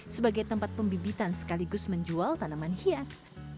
sebagai tempat pembibitan sekaligus menjual tanaman hias